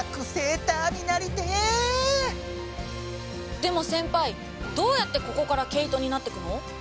でも先輩どうやってここから毛糸になってくの？